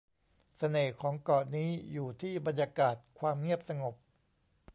เสน่ห์ของเกาะนี้อยู่ที่บรรยากาศความเงียบสงบ